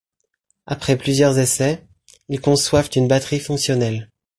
Après plusieurs essais, ils conçoivent une batterie fonctionnelle.